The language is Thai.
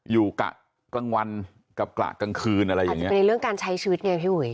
กะกลางวันกับกะกลางคืนอะไรอย่างเงี้เป็นในเรื่องการใช้ชีวิตไงพี่อุ๋ย